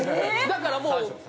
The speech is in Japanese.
だからもう。